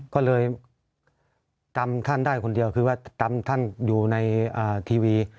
ก็เลยจำท่านได้คนเดียวคือว่าจำท่านอยู่ในทีวี